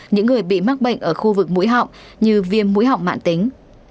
những người bị mắc bệnh ở khu vực mũi họng như viêm mũi họng mạng tính